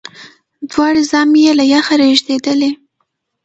دواړي زامي یې له یخه رېږدېدلې